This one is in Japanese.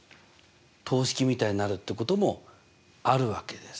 等式みたいになるってこともあるわけです。